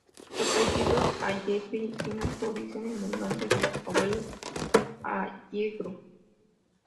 Su apellido, 'Allegri', tiene su origen en el nombre del abuelo: Allegro.